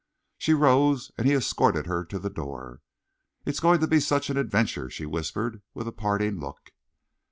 She rose, and he escorted her to the door. "It's going to be such an adventure," she whispered, with a parting look.